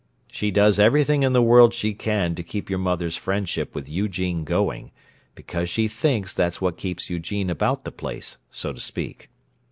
She does everything in the world she can to keep your mother's friendship with Eugene going, because she thinks that's what keeps Eugene about the place, so to speak.